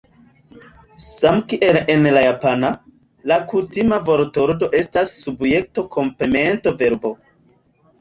Samkiel en la japana, la kutima vortordo estas subjekto-komplemento-verbo.